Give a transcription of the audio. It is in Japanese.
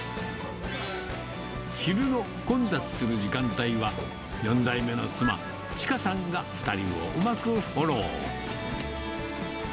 昼の混雑する時間帯は４代目の妻、千賀さんが２人をうまくフォロー。